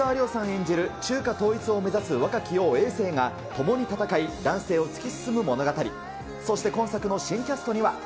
演じる中華統一を目指す若き王、えい政が共に戦い、乱世を突き進む物語。